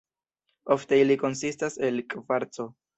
Ofte ili konsistas el kvarco.